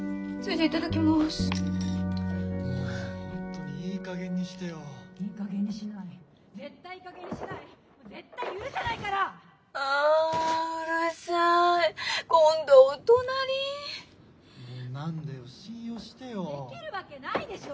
・できるわけないでしょ